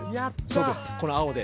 そうですこの青で。